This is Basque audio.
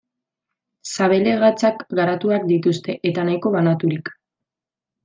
Sabel-hegatsak garatuak dituzte eta nahiko banaturik.